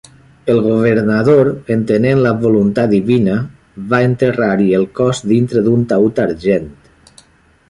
El governador, entenent la voluntat divina, va enterrar-hi el cos dintre d'un taüt d'argent.